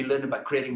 dalam membuat branding